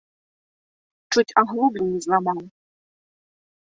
Чуць аглоблі не зламаў.